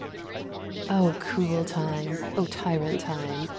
"O cruel Time! O tyrant Time!